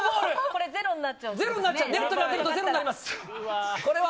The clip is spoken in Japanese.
これゼロになっちゃいますね。